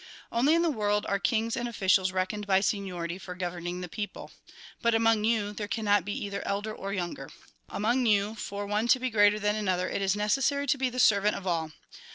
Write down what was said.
Only in the world are kings and officials reckoned by seniority for governing the people. But among you, there cannot be either elder or younger. Among you, for one to be greater than another, it is necessary to be the servant of all.